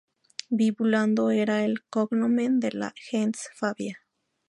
Vibulano era el "cognomen" de la "gens" Fabia.